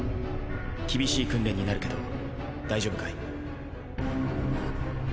厳しい訓練になるけど大丈夫かい？